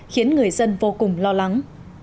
khiến người dân vô cùng lo lắng